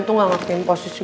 tuh gak ngertiin posisi